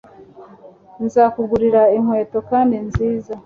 nzakugurira inkweto kandi nziza